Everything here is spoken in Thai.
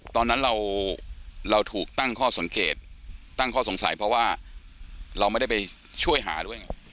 ตอนนั้นเราถูกตั้งข้อสงสัยเพราะว่าเราไม่ได้ไปช่วยหาด้วย